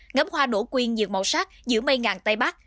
ngắm hoa nổ quyên nhiều màu sắc giữa mây ngàn tây bắc